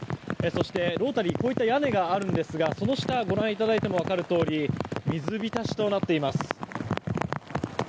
そして、ロータリー屋根があるんですがその下ご覧いただいても分かるとおり水浸しとなっています。